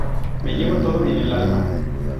Me llevo todo en el alma!